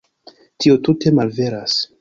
Tio tute malveras.